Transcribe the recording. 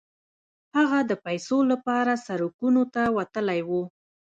هغه د پيسو لپاره سړکونو ته وتلی و.